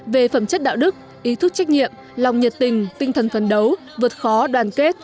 về phẩm chất đạo đức ý thức trách nhiệm lòng nhiệt tình tinh thần phấn đấu vượt khó đoàn kết